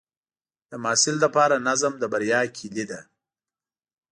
د محصل لپاره نظم د بریا کلید دی.